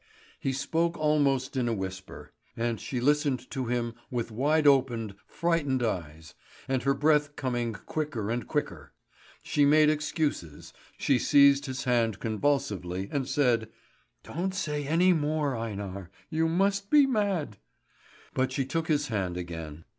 He spoke almost in a whisper, and she listened to him with wide open, frightened eyes, and her breath coming quicker and quicker. She made excuses, she seized his hand convulsively, and said: "Don't say any more, Einar! You must be mad!" But she took his hand again.